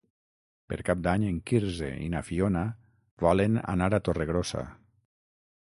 Per Cap d'Any en Quirze i na Fiona volen anar a Torregrossa.